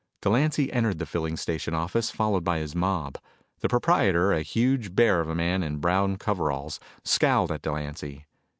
Delancy entered the filling station office, followed by his mob. The proprietor, a huge bear of a man in brown coveralls, scowled at Delancy.